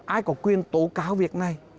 ai có quyền tố cáo việc này